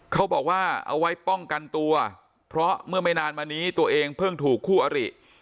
เขาบอกว่าเอาไว้ป้องกันตัวเพราะเมื่อไม่นานมานี้ตัวเองเพิ่งถูกคู่อริ